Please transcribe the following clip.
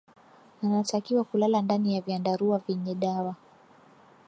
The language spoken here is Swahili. anatakiwa kulala ndani ya vyandarua vyenye dawa